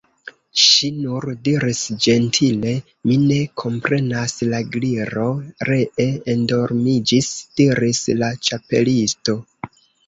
Ŝi nur diris ĝentile: "Mi ne komprenas." "La Gliro ree endormiĝis," diris la Ĉapelisto.